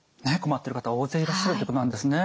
困ってる方大勢いらっしゃるということなんですね。